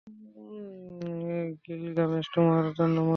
Gilgamesh তোমার জন্য মরেছে।